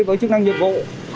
với chức năng nhiệm vụ